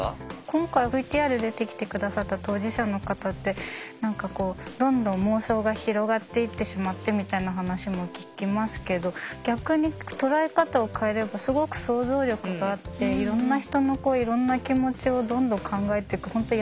今回ＶＴＲで出てきて下さった当事者の方って何かこうどんどん妄想が広がっていってしまってみたいな話も聞きますけど逆に捉え方を変えればすごく想像力があっていろんな人のいろんな気持ちをどんどん考えていく本当